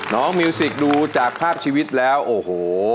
มิวสิกดูจากภาพชีวิตแล้วโอ้โห